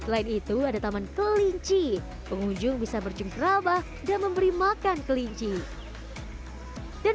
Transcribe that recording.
selain itu ada taman kelinci pengunjung bisa bercengkrabah dan memberi makan kelinci dan